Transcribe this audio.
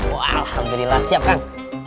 oh alhamdulillah siap kang